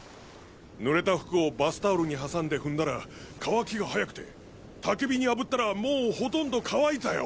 濡れた服をバスタオルに挟んで踏んだら乾きが早くてたき火に炙ったらもうほとんど乾いたよ！